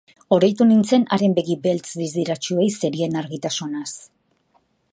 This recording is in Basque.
Oroitu nintzen haren begi beltz distiratsuei zerien argitasunaz.